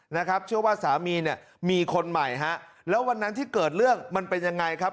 นะครับเชื่อว่าสามีเนี่ยมีคนใหม่ฮะแล้ววันนั้นที่เกิดเรื่องมันเป็นยังไงครับ